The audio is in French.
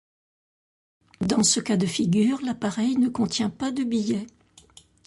Dans ce cas de figure, l'appareil ne contient pas de billets.